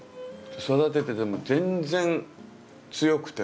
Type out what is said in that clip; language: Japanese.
育てていても全然強くて。